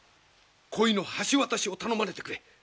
恋の橋渡しを頼まれてくれ。